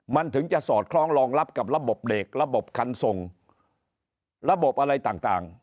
มันถึงจะสอดคล้องรองรับกับระบบเด็กระบบคันส่งระบบอะไรต่าง